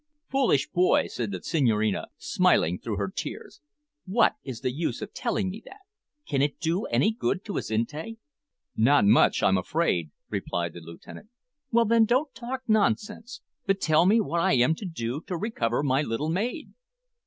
"Foolish boy," said the Senhorina, smiling through her tears, "what is the use of telling me that? Can it do any good to Azinte?" "Not much, I'm afraid," replied the lieutenant. "Well, then, don't talk nonsense, but tell me what I am to do to recover my little maid."